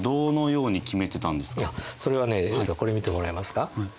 それはねこれ見てもらえますか。